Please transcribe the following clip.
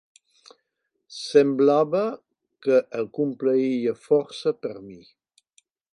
Semblava que el complaïa força per mi.